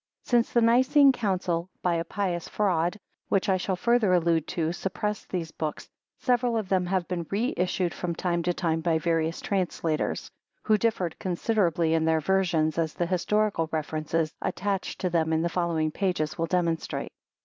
Since the Nicene Council, by a pious fraud, which I shall further allude to, suppressed these books, several of them have been reissued from time to time by various translators, who differed considerably in their versions, as the historical references attached to them in the following pages will demonstrate.